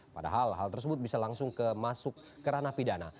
padahal hal tersebut bisa langsung kemasuk kerana pidana